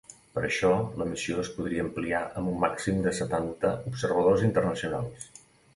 Per això, la missió es podria ampliar amb un màxim de setanta observadors internacionals.